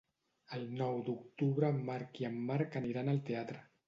El nou d'octubre en Marc i en Marc aniran al teatre.